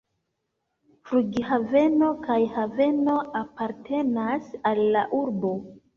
Flughaveno kaj haveno apartenas al la urbo.